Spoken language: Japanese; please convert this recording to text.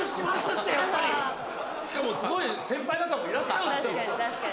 しかもすごい先輩方もいらっしゃるんですよ。